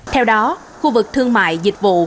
theo đó khu vực thương mại dịch vụ